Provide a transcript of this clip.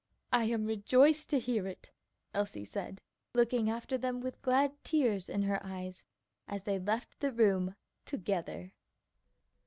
"I am rejoiced to hear it," Elsie said, looking after them with glad tears in her eyes as they left the room together.